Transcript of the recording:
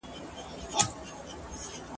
تباهي به يې ليكلې په قسمت وي !.